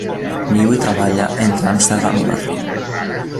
Viu i treballa entre Amsterdam i Berlín.